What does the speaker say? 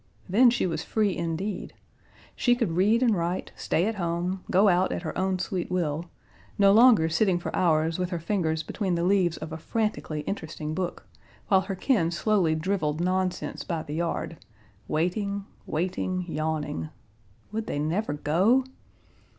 Then she was free indeed. She could read and write, stay at home, go out at her own sweet will, no longer sitting for hours with her fingers between the leaves of a frantically interesting book, while her kin slowly driveled nonsense by the yard waiting, waiting, yawning. Would they never go?